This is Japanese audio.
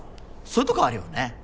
そういうとこあるよね。